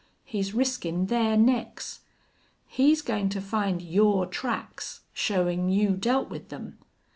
He's riskin' their necks. He's goin' to find your tracks, showin' you dealt with them.